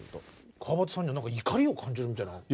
川畑さんには怒りを感じるみたいな。